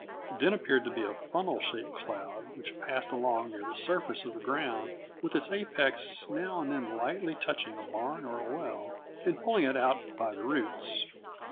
It then appeared to be a funnel shaped cloud which passed along near the surface of the ground with its apex now and then lightly touching a barn or a well, and pulling it out by the roots.